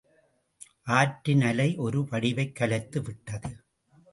ஆற்றின் அலை ஒரு வடிவைக் கலைத்து விட்டது.